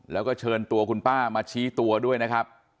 แล้วก็เชิญตัวคุณป้ามาชี้ตัวด้วยนะครับ